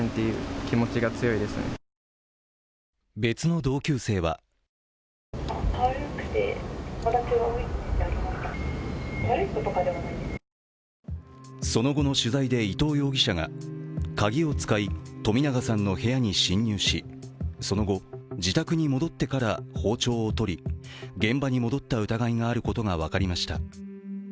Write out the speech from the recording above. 別の同級生はその後の取材で伊藤容疑者が鍵を使い冨永さんの部屋に侵入しその後、自宅に戻ってから包丁を取り、現場に戻った疑いがあることが分かりました。